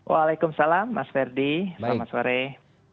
waalaikumsalam mas ferdi selamat sore